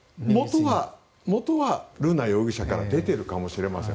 元は瑠奈容疑者から出てるかもしれません。